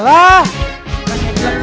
pandainya lagi tujuh